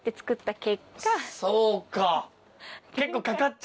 そうか。